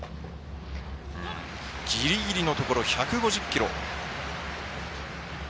ぎりぎりのところ１５０キロ。